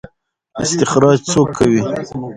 استخراج څوک کوي؟